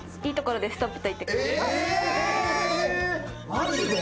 マジで？